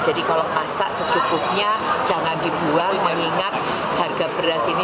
jadi kalau masak secukupnya jangan dibuang mengingat harga beras ini